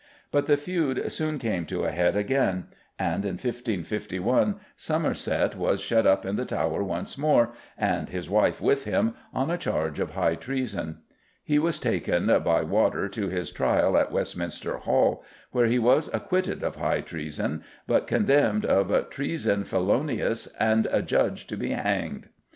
But the feud soon came to a head again, and in 1551 Somerset was shut up in the Tower once more, and his wife with him, on a charge of high treason. He was taken, by water, to his trial at Westminster Hall, where he was "acquitted of high treason," but condemned "of treason feloniouse and adjudged to be hanged."